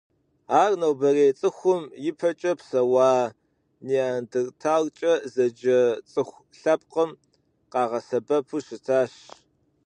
Ар нобэрей цӏыхум ипэкӏэ псэуа Неандрталкӏэ зэджэ цӏыху лъэпкъым къагъэсэбэпу щытащ.